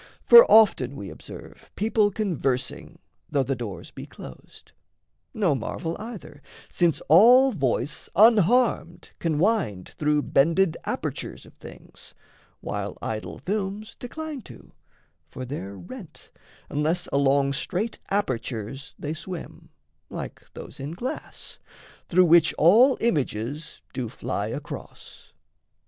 For often we observe People conversing, though the doors be closed; No marvel either, since all voice unharmed Can wind through bended apertures of things, While idol films decline to for they're rent, Unless along straight apertures they swim, Like those in glass, through which all images Do fly across.